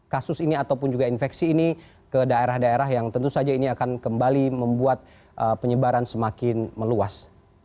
kasus ini ataupun juga infeksi ini ke daerah daerah yang tentu saja ini akan kembali membuat penyebaran semakin meluas